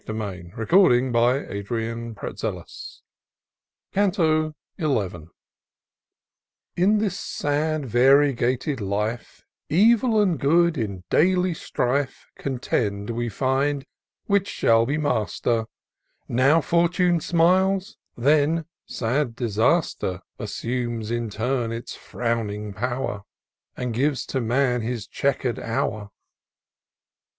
no TOUR OF DOCTOR SYNTAX CANTO XL N this sad, variegated life, Evil and good, in daily strife, Contend, we find, which. shall be master : Now Fortune smiles — then sad disaster Assumes, in turn, its frowning power. And gives to man his chequer'd hour.